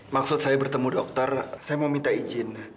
maksud saya bertemu dokter saya mau minta izin